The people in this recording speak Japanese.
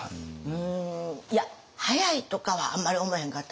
うんいや早いとかはあんまり思わへんかったわ。